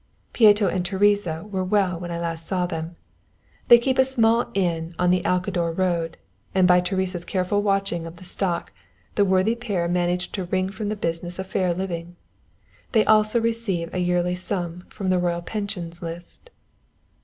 Pieto and Teresa were well when I last saw them. They keep a small inn on the Alcador Road, and by Teresa's careful watching of the stock, the worthy pair manage to wring from the business a fair living. They receive also a yearly sum from the Royal Pensions list.